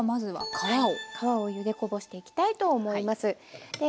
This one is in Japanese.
皮をゆでこぼしていきたいと思います。